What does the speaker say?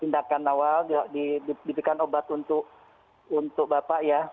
diberikan obat untuk bapak ya